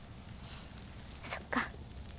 そっか。